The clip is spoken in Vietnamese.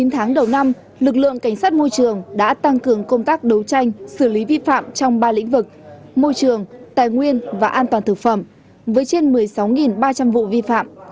chín tháng đầu năm lực lượng cảnh sát môi trường đã tăng cường công tác đấu tranh xử lý vi phạm trong ba lĩnh vực môi trường tài nguyên và an toàn thực phẩm với trên một mươi sáu ba trăm linh vụ vi phạm